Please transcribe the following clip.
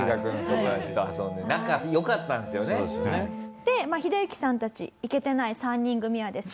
でヒデユキさんたちイケてない３人組はですね